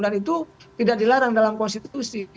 itu tidak dilarang dalam konstitusi